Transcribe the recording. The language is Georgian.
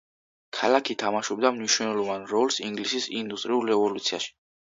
ქალაქი თამაშობდა მნიშვნელოვან როლს ინგლისის ინდუსტრიულ რევოლუციაში.